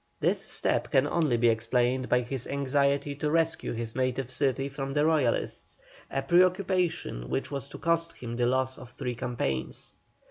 This step can only be explained by his anxiety to rescue his native city from the Royalists, a preoccupation which was to cost him the loss of three campaigns.